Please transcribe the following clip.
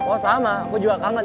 oh sama aku juga kangen